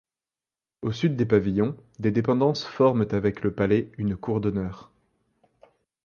Au sud des pavillons, des dépendances forment avec le palais une cour d'honneur.